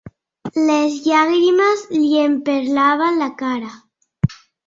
Les llàgrimes li emperlaven la cara.